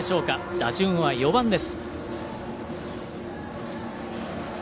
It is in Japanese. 打順は４番です。